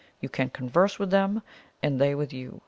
You can converse with them, and they with you.